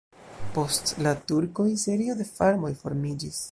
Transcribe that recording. Post la turkoj serio de farmoj formiĝis.